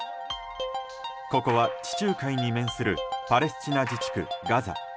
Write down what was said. ここは地中海に面するパレスチナ自治区ガザ。